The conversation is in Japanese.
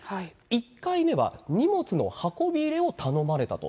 １回目は荷物の運び入れを頼まれたと。